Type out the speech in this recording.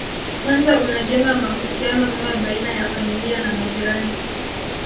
Kwanza unajenga mahusiano mema baina ya familia na majirani